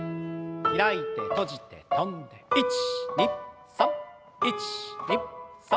開いて閉じて跳んで１２３１２３。